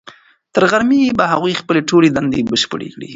تر غرمې به هغوی خپلې ټولې دندې بشپړې کړې وي.